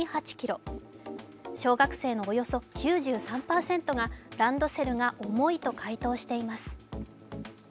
小学生のおよそ９３％が、ランドセルが重いと回答しています。